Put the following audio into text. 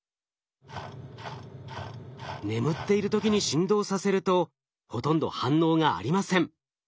眠っている時に振動させるとほとんど反応がありません。